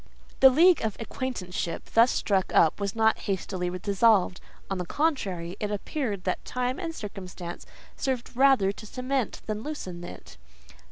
The league of acquaintanceship thus struck up was not hastily dissolved; on the contrary, it appeared that time and circumstances served rather to cement than loosen it.